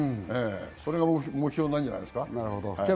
それが目標なんじゃないですか。